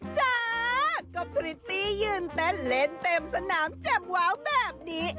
จ๊าก็พริตตี้ยื่นแต่เล่นเต็มสนามแจ้งแววแบบนี้